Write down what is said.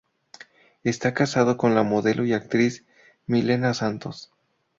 Está casado con la modelo y actriz Milena Santos.